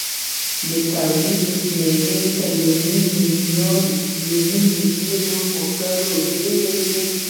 د تولید شمېر تر یو نیم میلیون موټرو ډېر و.